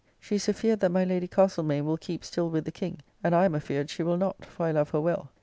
She is afeard that my Lady Castlemaine will keep still with the King, and I am afeard she will not, for I love her well.